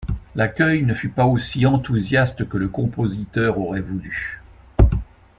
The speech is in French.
L'accueil ne fut pas aussi enthousiaste que le compositeur aurait voulu.